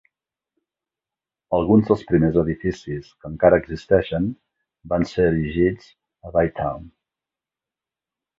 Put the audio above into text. Alguns dels primers edificis que encara existeixen van ser erigits a Bytown.